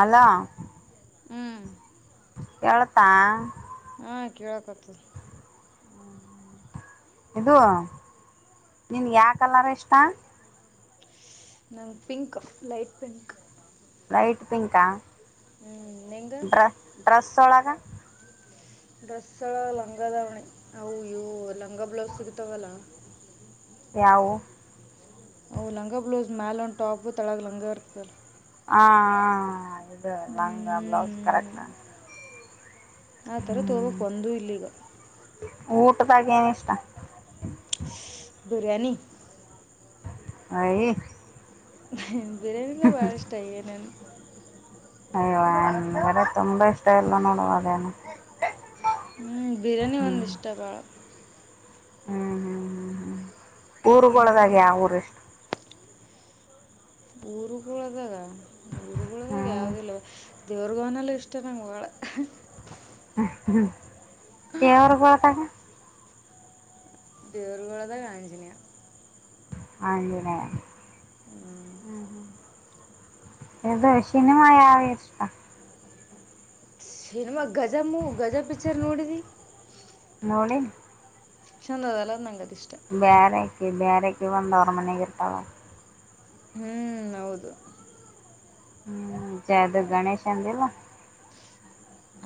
ಅಲ ಹ್ಮ್ ಕೇಳುತಾ ಹಾಂ ಕೇಳಕತ್ತು ಇದು ನಿನ್ ಯಾ ಕಲರ್ ಇಷ್ಟ ನಂ ಪಿಂಕ್ ಲೈಟ್ ಪಿಂಕ್ ಲೈಟ್ ಪಿಂಕಾ ಹ್ಞೂ ನಿಂಗೆ ಡ್ರಸ್ ಡ್ರೆಸ್ ಒಳಗ ಡ್ರೆಸ್ ಎ ಲಂಗದಾವಣಿ ಅವುಯವು ಲಂಗ ಬ್ಲೌಸ್ ಸಿಗ್ತಾವಲ್ಲ ಯವು ಅ ಲಂಗ ಬ್ಲೌಸ್ ಮ್ಯಾಲ ಒನ್ ಟಾಪ್ ತಳಗ ಲಂಗ ಇರ್ತಲ್ಲ ಹ ಇ ಲಾಂಗಾ ಬ್ಲೌಸ್ ಹ್ಮ್. ಕರೆಕ್ಾ ಆ ಥರ ತೊಗೋಬೇಕು ಹ್ಮ ಒಂದೂ ಇಲ್ಲೀಗ ಊಟದಾಗ ಏನ ಇಷ್ಟ ಬಿರಯಾನಿ ಹಯ ಹ್ಮ ಬಿರಿಯಾನಿಿಂದ ಬಾಳ ಇಷ್ಟ ಏನೇನ್ ಅಯ್ವ ಎಂದಡೆ ತುಂಬಾ ಇಷ್ಟ ಇಲ್ಲ ನೋಡುವ ಅದೇನ ಹ್ಮ್ ಬಿರಿಯಾನಿ ಒಂದ ಇಷ್ಟ ಬಳ ಹ್ಮ್ ಹ್ಮ್ ಹ್ಮ್ ಹ್ಮ್ [unintelligible] ಊರ್ಗೊಳದಾಗ್ಯಾ ಊರ ಪುರು ಕಳದಾಗ ಊರುಗಳಾಗ ಹ್ಮ್ ಯಾವ್ದ ಇಲ್ವ [unintelligible] ದೇವ್ರಗೋನಲ್ಲ ಇಷ್ಟ ನಂಗಗೆ ಭಾಳ ಹ್ಮ ಹ್ಮ್ ದೇವ್ರ ಬರಟಾಗ [unintelligible] ದೀರ್ಘಲದ ಕಂಜಿನಯ ಹಜನೇ [unintelligible] ಹ್ಮ್ ಹ್ಮ್ ಇದು ಸಿನಿಮಾ ಯಾವುದು ಇಷ್ಟ ಸಿನಿಮಾಗ ಗಜಾಮ ಗಜ ಪಿಕ್ಚರ್ ನೋಡಿದಿ ನೋಡಿ ಚಂದದ ಎಲ್ಲ ನಂಗ ಬೇರೆ ಬೇರೆಕ್ಕೆ ಒಂದು ಅವ್ರ ಮನೆ ಇರ್ತಾವ ಹ್ಮ್ ಹೌದು ಹ್ಮ್ ಜೆ ಅದು ಗಣೇಶ್ ಅಂದಿಲ್ಲ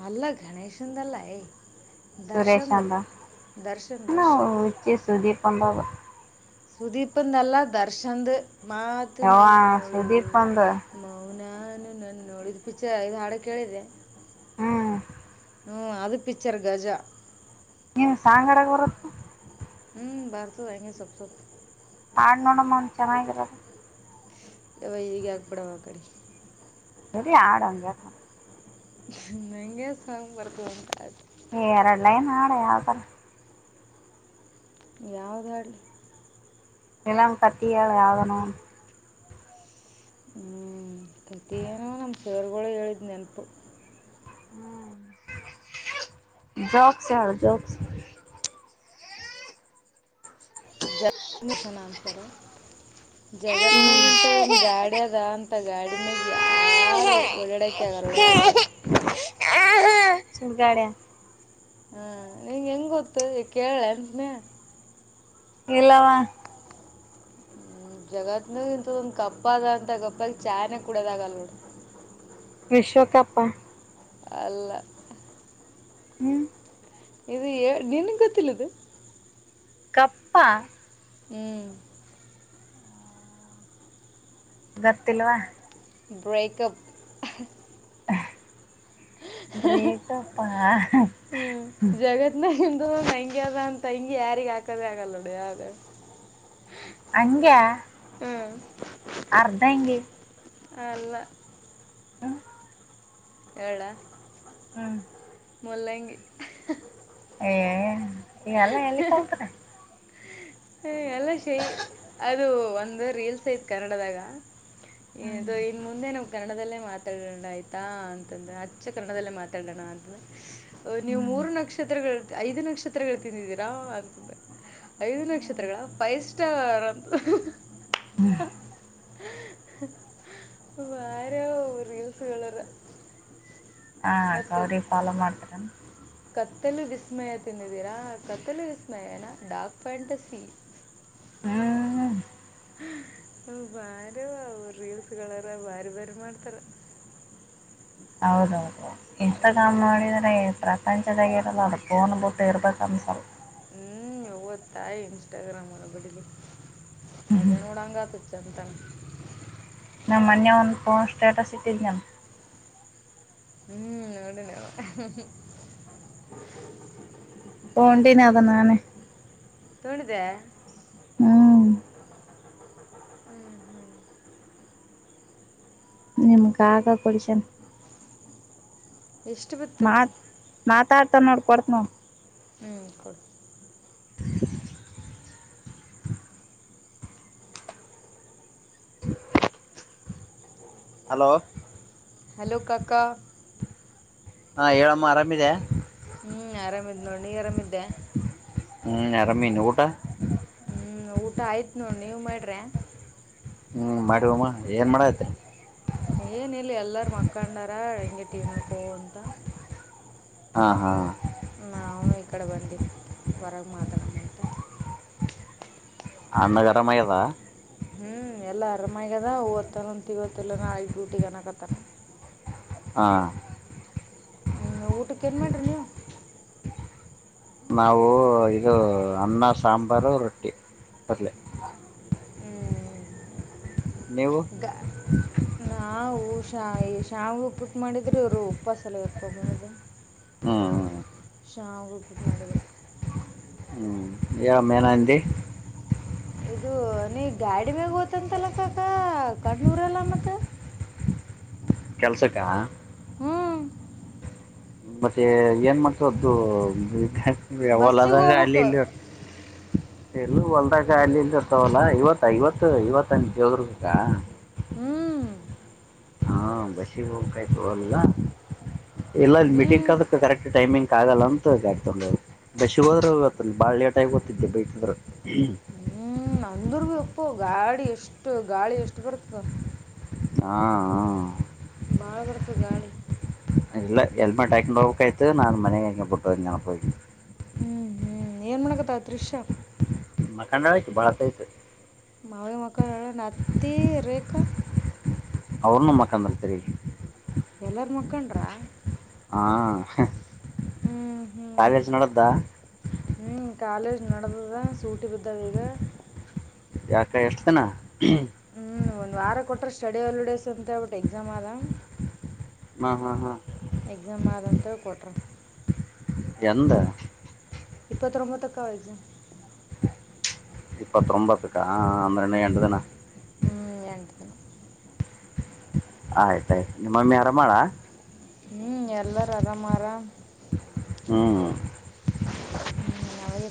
ಅಲ್ಲ ಗಣೇಶ್ಂದಲ್ಲ ಯ ಸುರೇಶ್ ದರ್ಶನ್ ಅಂದಚಿ ಸುದೀಪ್ ಒಂದಾಗ [unintelligible] ಸುದೀಪಂದಲ್ಲ ದರ್ಶನ್ದು ಮಾತು ಯವ್ವ ನನ್ನೋಳು ಸುದೀಪ್ ಅಂದ ಮೌನಾನು ನನ್ನೋಳು [unintelligible] ಚ ಇದು ಹಾಡು ಕೇಳಿದೆರೆ ಹ್ಮ್ ಹ್ಮ್ ಅದು ಪಿಚರ್ ಗಜಾ ನೀವು ಸಾಂಗಡಾಗ ಬರತ್ತ ಹ್ಮ್ ಬಾರತ ಆಂಗೆ ಸಬ್ ಸಬ್ ಆಡ್ ನೋಡಮ್ಮನ್ ಚೆನ್ನಾಗಿರದು ಈಗ [unintelligible] ಪಡಾವ ಕಡಿ ಸರಿ ಆಡೋಂಗ ಮಗೆ ಸ್ಮ್ ಬರ್ತಟ ಎರಡು ಲೈನ್ ಆಡೆ ಯಾವ್ ತರ ಯಾವ್ದ ಹಾಡಲಿ [unintelligible] ಎಲ್ಲ ಕತ್ತಿಯಾಳ ಯಾಗನ ಹ್ಮ್ ಪ್ರತ [inaudible] ನೋ ನಮ್ಮ ಸೇರ್ಗಳೇ ಹೇಳಿದ್ ನೆನಪು ಹ್ಮ್ ಜಕ್ಸ್ ಯಾರ ಜಕ್ಸ್ ಮನಿಷನಂತರ ಜಗತ್ ನಾಗ್ ಇಂಥದು ಗಾಡಿ ಅದ ಅಂತ ಗಾಡಿ ಮ್ಯಾಗ ಯಾರು ಓಡಡ ಕ್ಯಾಗೋಡ ಆಗಳ [unintelligible] ಶಗಾಡ ಹಾ ನಿಂ ಹೆಂಗ ಗೊತ್ತು ಈ ಕೇಳೆ ಅಂತನ ಇಲ್ಲವಾ ಹ್ಮ ಜಗತ್ನ ಇಂಥದೊಂದ್ ಕಪ್ಪ ಅದ ಅಂತ ಗಪ್ಪಾಗ ಚಾಯ್ನೆ ಕುಡದಾಗಲ್ ನೋಡ್ರ ವಿಶ್ವಕಪ್ಪ ಅಲ್ಲಾ ಹ್ಮ್ ಇದು ನಿನ್ನ ಕತ್ತಿಲ್ಲಿದ ಕಪ್ಪಾ ಹ್ಮ್ [inaudible] ಗರ್ತಿಲ್ವಾ ಬ್ರೇಕಪ್ ಬ್ರೇಟಪ್ಪಾ ಅದು ಹಂಗಗೆದ ಅಂತ ಹಂ ಯಾರಿಗೆ ಹಾಕದೇ ಆಗಲ್ಲೋಡಿಯ ಅದ ಹಂಗೆ ಅರ್ಧ ಎಂಗೆ ಅಲ್ಲ ಹ್ಮ ಏಳ ಹ್ಮ್ [inaudible] ಮುಲ್ಲಂಗಿ ಏ [unintelligible] ಎಲ್ಲ ಎಲ್ಲಿ ಕಲ್ತ್ರ ಹ ಅಲ್ಲ ಶೈ ಅದು ಒಂದು ರೀಲ್ಸ್ ಐತ್ ಕನ್ನಡದಾಗ ಹ್ಮ್ ಇದು ಇನ್ ಮುಂದೆನು ಕನ್ನಡದಲ್ಲೇ ಮಾತಾಡೋಣ ಆಯ್ತಾ ಅಂತಂದ್ರೆ ಅಚ್ಚ ಕನ್ನಡದಲ್ಲೇ ಮಾತಾಡೋಣ ಅಂತಂದ್ರೆ ನೀವು ಹ್ಮ್ ಮೂರು ನಕ್ಷತ್ರಗಳು. ಐದು ಲಕ್ಷ [unintelligible] ಹತ್ರಗಳು ತಿಂದಿದ್ದೀರಾ ಅಂತೆ ಐದು ಹ್ಮ್ ನಕ್ಷತ್ರಗಳ ಫೈಸ್ಟ್ ಇಷ್ಟಾರಂತ ಹ್ಮ್ ವಾರ ರೀಲ್ಸ್ಗಳವ ಹಾ ಗೌರಿ ಪಾಲ ಮಾಡ್ತಾರ ಕತ್ತಲು ವಿಸ್ಮಯ ತಿ ಿದ್ದೀರಾ ಕತ್ತಲು ವಿಸ್ಮಯ ಏನಾ ಡಾರ್ ಪ್ ಹ್ಮ್ [unintelligible] ಹ ಬಾರ ರೀಲ್ಸ್ಗಳಾರ ಬಾರಿ ಬಾರಿ ಮಾಡ್ತಾರ ಹೌದೌದು ಇಂಥ ಕಾಮ್ ಮಾಡೋಿದ್ರೆ ಪ್ರಪಂಚದಾಗ ಇರಲ್ಲ ಅದು ಫೋನ್ ಬೂಟ್ಟ ಇರ್ಬೇಕನ್ಸಲ್ ಹ್ಮ್ ಯಾಯ ಇನ್ಸ್ಟಾಗ್ರಾಮ ವರ ಬದಗೆ ಅದೇ ನೋಡಂಗ ಆತ [unintelligible] ಚಂತಂಗ ನಾನುಮೊನ್ನಯ ಒಂದು ಫೋನ್ ಸ್ಟೇಟಸ್ ಇಟ್ಟಿದ್ನಲ್ಲ ಹ್ಮ್ ನೋಡನ [unintelligible] ಹಟೀನ ಅದ ನಾನೆ ತುಂಡಿದೆ ಹ್ಮ್ ನಿಮ್ಗ ಆಾಗ ಕೊಡಸನ್ ಎಷ್ಟು ಬತ್ತು ನೋಡ್ಕೊಡ್ತ ನವು ಹ್ಮ್ ಕೊಡು [inaudible] [inaudible] ಹಲೋ ಹಲೋ ಕಾಕಾ ಹಾ ಹೇಳಮ್ಮ ಆರಾಮಿದೆ ನೀಿಯರಮಿದ್ದೆ [unintelligible] ಹ್ಮ್ ನರ ಮೀನ್ ಕಊಟ ಹ್ಮ್ ಊಟ ಆಯ್ತ್ ನೋ ನೀವ್ ಮಾಡ್ರಿ ಹ್ಮ್ ಮಾಡುವಮ್ಮ ಏನ್ ಮಾಡತೆ ಏನ ಇಿಲ್ಲ ಎಲ್ಲಾರ ಮಕ್ಕಂಡಾರ ಹೆಂಗೆ ಟಿವ ನೋಡ್ಕೋ ಅಂತ [unintelligible] ಹಾ ಹಾ ನವುನು ಇಕಡೆ ಬಂದಿ ಹೊರಗೆ ಮಾತಾಡಮಂತ ಅನ್ನಗರಮದಾ ಹ್ಮ್ ಎಲ್ಲಾ ಆರಾಮಗ್ಯದ ಓದ್ತಾನ ತಿಗೋತ್ತಲ್ಲ ನಾಳಗ್ ಡ್ಯೂಟಿಗ್ ಅನಕತನ ಹಾ ಹ್ಮ್ ಊಟಕ್ಕ ಏನ್ ಮಾಡ್ರಿ ನೀವು ನಾವು ಇದು ಅನ್ನ ಸಾಂಬಾರು ರೊಟ್ಟಿ ಪಲ್ಯ ಹ್ಮ್ ನೀವು ನಾ ಊಷ ಶ ಶಾವವು ಉಪ್ಪಿಟ್ ಮಾಡಿದ್ರೆ ಇವರು ಉಪ್ಪ ಸಲ ಇಪ್ಪ ಮದು. ಹಾ. ಶಾವಿಗೆ ಉಪ್ಪಿಟ್ಟು ಮಾಡಿದ್ರು ಯ ಮೇನಾಂದಿ [unintelligible] ಅದು ನೀ ಗಾಡಿ ಮ್ಯಾಗ ಓತಂತಲ್ಲ ಕಕ ಕಣ್ಣೂರಲ್ಲ ಮತ್ತ ಕೆಲ್ಸಕ್ಕ ಮತ್ತೆ ಏನ್ ಮಕ್ಕದ್ದು [unintelligible] ಒಲದ ಬಸ್ಸಿಗೆ ಗಲ ಅಲ್ಲಿ ಹೋಗ್ಬೇಕು ಇಲ್ಲಿ ಎಲ್ಲ ಹೊಲ್ದಾಗ ಅಲ್ಲಿ ಇಂದ ಇರ್ತವಲ್ಲಾ ಇವತ್ತು ಇವತ್ತು ಇವತ್ತನ ಯದ್ರಕ್ಕ ಹ್ಮ್ ಹಾ ಬಸ ಹೋಗ ಕೈಲ್ಲ ಇಲ್ಲ ಮೀಟಿಂಗ್ ಈ ಕ ಕರೆಕ್ಟ್. ಟೈಮಿಂಗ್ ಆಗಲ್ಲ ಅಂತ ಜ ಆಡ್ಕೊಂಡೋಗ್ ಬಸ್ಿಗೆ ಹೋದ್ರೂ ಗತ್ತ ಬಾಳ ೇಟಾಗಿ ಗೊತಿದ್ದೆ ಬಟ್ಟಿದ್ರ. ಹ್ಮ್ [unintelligible] ಅಪ್ಪು ಗಾಳಿ ಎಷ್ಟು ಗಾಳಿ ಎಷ್ಟು ಬರುತ್ತದ. ಹಾ ಹಾ ುಗಳಿ ಇಲ್ಲ ಹೆಲ್ಮೆಟ್ ಆಾಕೊಂಡು ಹೋಗಬೇಕ ಆಯ್ು ನಾನನ್ ಮನೆಗೆ ಹಂಗಗೆ ಪುಟ್ಟು ನನಪಿ ಹ್ಮ್ ಹ್ಮ್ ಏನ್ ಮಾಡಕತ್ತ ದೃಶ್ಯ ಮಖಾಂಡ ಆಯ್ತು ಬಾತಯ್ತ ಮಾವಿ ಮಕ್ಕಳ ಹೇಳ ನತ್ತಿ ರೇಖಾ ಅವ್ರ ನಮ್ಮಖಾಂದ್ರ ತಿರಿ ಎಲ್ಲರ ಮುಖಂಡ್ರ ಹಾ ಹ್ಮ್ ಕಾಲೇಜ ನಡ್ದಾ ಹ್ಞೂ ಕಾಲೇಜ್ ನಡೆದದ ಸೂಟಿ ಬಿದ್ದಾವ ಈಗ ಯಾಕ ಎಷ್ಟ ದಿನ ಹ್ಮ್ ಒಂದ್ ವಾರ ಕೊಟ್ಟ ಸ್ಟಡಿ ಹಾಲಿಡೇಸ್ ಅಂತ ಒಟ್ಟು ಎಕ್ಸಾಮ್ ಅದ ಹಾ ಹಾ ಹಾ ಎಕ್ಸಾಮ್ ಆದಂಥ ಕೊಟ್ರ ಎಂದ ಇಪ್ಪತ್ರೊಂಬತ್ತಕ್ಕ ವಯಸು ಇಪ್ಪತ್ೊಂಬತ್ತು ಹಾ ಅಂದ್ರೆ್ಣ ಹ್ಞೂ ಕಂಡ ತನ ಹ್ಞೂ [unintelligible] ಎಂಟು ದಿನ ಆಯ್ತಾಯ್ತು ನಿಮ್ಮಮ್ಮಿ ಆಮಾಅವಳ ಹ್ಮ್ ಎಲ್ಲಾರು ಆರಾಮಾರಾಮ ಹು ಹ್ಮ್ ಯೂ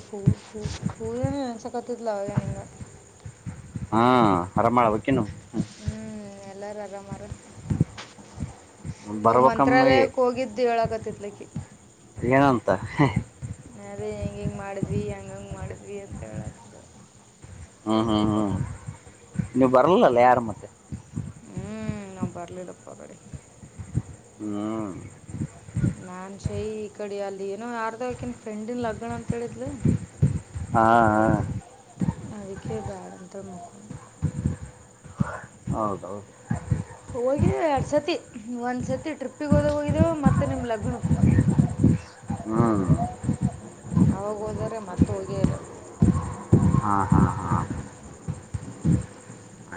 ಪತ್ತತಿಲಿಂದ ಆರಾಮಾಕಿನೂ ಎಲ್ಲರೂ ಆರಾಮರ ಅವ್ ಬರ್ಬೇಕಮ್ಮ ಮಂತ್ರಾಲಯಕ್ಕೆ ಹೋಗಿದ್ದು ಹೇಳಕತಿತ್ಲಕ್ಕೆ... ಏನಂತ ಅದೇ... ಇಂಗ್ ಮಾಡಿದ್ವಿ ಹೆಂಗಂಗ ಮಾಡಿದ್ವಿ ಅಂತ ಹೇಳಕ್ದೆ ಹ್ಮ್ ಹ್ಮ್ ಹ್ಮ್ ನೀವು ಬರಲಲ್ಲ ಯಾರ ಮತ್ತೆ [unintelligible] ಹ್ಮ್ ನಾವ್ ಬರ್ಲಿಲ್ಲಪ್ಪ ಬೆಳಿಗ್ಗೆ ಹ್ಮ್ ನಾನ್ ಶೈ ಈ ಕಡೆ ಅಲ್ ಏನೋ ಯಾರ್ದೋ ಆಕನ್ ಫ್ರೆಂಡನ್ ಲಗ್ಣ ಅಂತ ಹೇಳಿದ್ಲು ಹಾ ಹಾ ಅದಕ್ಕೆ ಬ್ಯಾಡಂತಾರೆ ಮಕ್ಕ ಹೌದೌದು ಹೋಗಿದ್ದೀ ಎರಡ್ ಸತಿ ಒಂದ್ ಸತಿ ಟ್ರಿಪ್ಪಿಗೆ ಹೋದ ಹೋಗಿದ್ದೇವ ಮತ್ತೆ ನಿಮ್ಮ್ ಲಗ್ನ ಹ್ಮ್...... ಅವಾಗ ಹೋದರೆ ಮತ್ತ ಹೋಗೇಲ್ಲ ಹಾ ಹಾ ಹಾ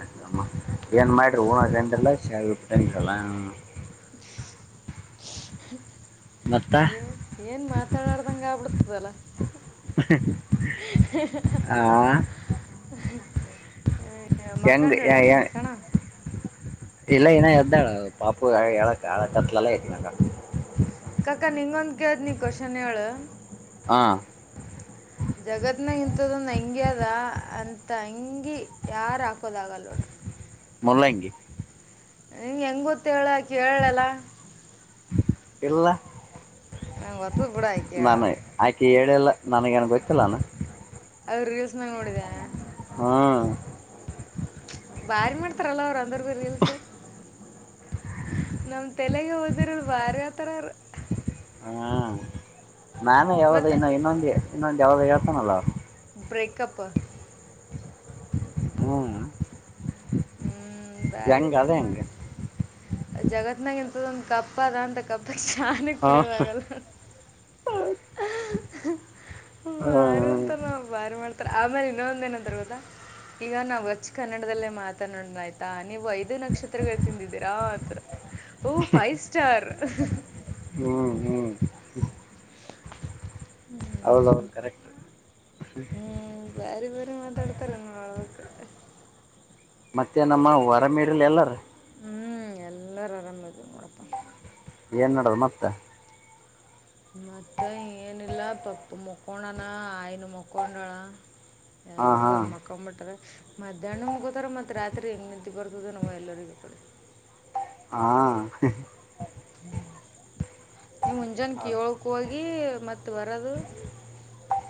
ಆಯ್ತಮ್ಮ ಏನ್ ಮಾಡಿರ ಹಊನ ರೆಂಡಲ್ಲ ಸ ತನಲ್ಲ ಹ್ಮ ಮತ್ತ [unintelligible] ಏನ್ ಏನ್ ಮಾತಾಡಾಡ್ದಂಗ ಆಗ್ಬಿಡ್ತದಲ್ಲ ಆ ಆ.. ಯಂಗ್ ಯ ಯ ಕಣ ಇದಳ ಪಪುಳ ಅಳಕ್ಕಟ್ಲಲ್ಲ ಇತೆಗೆಂಡಲ ಕಾಕ ನಿನಗೊಂದು ಕೇಳ್ತೀನಿ ಕೋಶನಾ ಹೇಳು ಹಾ... [unintelligible] ಜಗತ್ನಗಿಂತದೊಂದು ಹಂಗ್ಯದ ಅಂತ ಹಂಗಿ ಯಾರ ಹಾಕೋದ ಆಗಲ್ಲ ನೋಡ ಮುಲ್ಲಂಗಿ ನಿಂಗೆ ಹೆಂಗ್ ಗೊತ್ತ ಹೇಳಿ ಕೇಳಲಾ ಇಲ್ಲ ಬಿಡ ಆಕೆ ಹೇಳ [unintelligible] ನನಗೇನು ಗೊತ್ತಿಲ್ಲ ಅಲ್ಲ ಅವ್ರು ರೀಲ್ಸ್ ನಾಗ ನೋಡಿದೆ ಹಾ ಬಾರಿ ಮಾಡ್ತಾರಲ್ಲ ಅವ್ರ ಅಂದ್ರ ರೀಲ್ ನಮ ತಲೆಗೆ ಓದಿರಲ್ ಬಾರಿ ಆತರ ಅವ್ರ ಹ್ಮ್ ನಾನು ಯಾವ್ದ ಇನ್ನು ಇನ್ನೊಂದು ಇನ್ನೊಂದು ಯಾವುದೋ ಹೇಳ್ತನಲ್ಲ ಬ್ರೇಕಪ್ ಹ್ಮ ಹ್ಮ್ ಬಾರಿ ಬಾರಿಮಾ ಹೆಂಗ ಜಗತ್ನಗಿರಿ ಅಲ್ಲೊಂದು ಕಪ್ಪಾದಾ ಅಂತ ಕಾಪಾ [unintelligible] ಚನ್ನಾಗ ಹ ಕುಡಿಯೋದ ಆಗಲ್ಲ ಬಾರ ಹ್ಮ್ ಅಂತ ನಾ ಭಾರಿ ಮಾಡ್ತಾರ ಆಮೇಲೆ ಇನ್ನೊ ಒಂದೇಏನಂದರ್ವದ ಈಗ ನಾವು ಹಚ್ ಕನ್ನಡದಲ್ಲೇ ಮಾತ್... ನೋ ಆಯ್ತಾ ನೀವು ಐದು ನಕ್ಷತ್ರಗಳು ತಿಂದಿದ್ದೀರಾ ಆತ್ರ ಓ ಫೈವ್ ಸ್ಟಾರ್ ಹ್ಮ್ ಹ್ಮ್ ಹ್ಮ ಹೌದೌದು ಕರೆಕ್ಟ್ ಹ್ಮ್ ಬಾರಿ ಬೇರು ಮಾತಾಡ್ತಾರೆನ್ನ ಅಳವ ಮತ್ತೆ ನಮ್ಮ ಹೊರಮೀಡಲ್ ಎಲ್ಲಾರ ಹ್ಮ್ ಎಲ್ಲಾರು ಆರಾಮದು ಮೂಡಪ್ಪ ಏನ್ ನಡದು ಮತ್ತೆ ಮತ್ತ ಏನಿಲ್ಲ ಪಪ್ಪ ಮಕೊಂಡಣ ಆಯನು ಮಕೊಂಡಳ ಹಾ ಹಾ ಎಲ್ಲಾರ ಮಕ್ಕೊಂಡ್ ಬಿಿಟಾರ ಮಧ್ಯಾಹ್ನ ಮುಗೋತಾರ ಮತ್ ರಾತ್ರಿ ಹೆಂಗ್ ನಿಂತಿ ಬರ್ ಅದೆೇ ನಮ್ಮ ಎಲ್ಲರಿಗೂ ಕಡೆ. ಹಾ. ನೀವು ಮುಂಜಾನೆ ಹಾ ಕಳ್ಕೋಗ. [unintelligible] ಮತ್ತೆ ಬರೋದು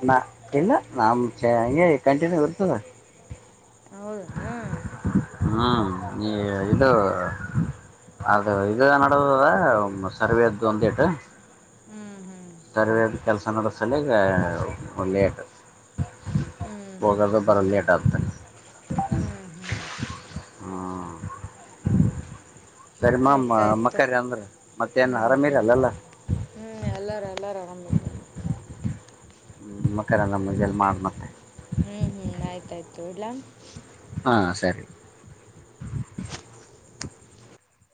ನಾ ಇಲ್ಲ ನಾಮ [unintelligible] ಹ ಹಗೆ ಕಂಟಿನ್ಯೂ ಇತದಾ ಹೌದೇನೋ ನೀ ಇದು ಅದು ಇದು ನಡದದ ಸರ್ವೆ ಅದ್ದು ಒಂದೇಟು ಹ್ಮ್ ಹ್ಮ್ ಚನ್ನ ಒನ್ನೆ ಆಟ ಹ್ಞೂ [unintelligible] ಹ್ಞೂ ಹೋಗಲೋ ಬರೋದ್ ಲೇಟ್ ಆಗುತ್ತೆ ಹ್ಞೂ ಹ್ಞೂ ಸರಿ ಮಾ ಆಯ್ತು ಆಯಿತು ಮಕ್ಕಾರಿ ಅಂದ್ರ ಮತ್ತ ಏನ್ ಹ್ಞೂ ಹ್ಞೂ ಆರಾಮಿರಲ್ಲಲ್ಲ ಹ್ಞೂ ಎಲ್ಲರೂ [unintelligible] ಹ್ಮಮ್ಮ ಕಲ್ಲ [unintelligible] ಲ್ಲಿ ಮಾಡಣತ್ತೆ. ತಡ್ಲ. ಹಾ ಸರಿ.